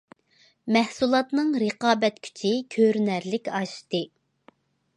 مەھسۇلاتنىڭ رىقابەت كۈچى كۆرۈنەرلىك ئاشتى.